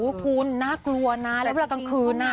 คุณน่ากลัวนะแล้วเวลากลางคืน